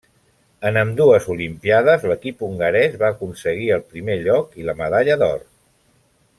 En ambdues Olimpíades l'equip hongarès va aconseguir el primer lloc i la medalla d'or.